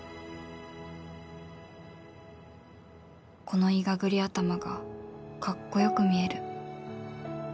このいがぐり頭がかっこよく見える